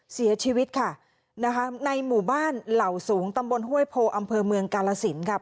เสียชีวิตค่ะนะคะในหมู่บ้านเหล่าสูงตำบลห้วยโพอำเภอเมืองกาลสินค่ะ